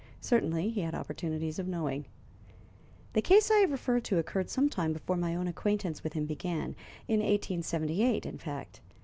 Certainly he had opportunities of knowing. The case I have referred to occurred some time before my own acquaintance with him began in 1878, in fact.